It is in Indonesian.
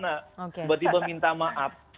nah berhenti meminta maaf